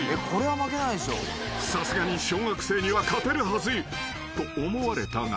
［さすがに小学生には勝てるはずと思われたが］